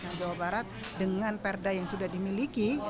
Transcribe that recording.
dan jawa barat dengan perda yang sudah dimiliki